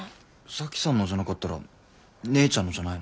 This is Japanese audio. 沙樹さんのじゃなかったら姉ちゃんのじゃないの？